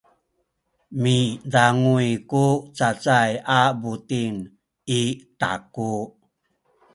midanguy ku cacay a buting i taku.